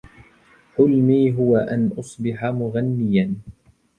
حلمي هو أن أصبح مغنّيا.